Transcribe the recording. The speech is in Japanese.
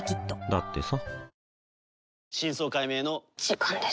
だってさ